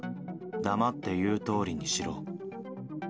黙って言うとおりにしろ。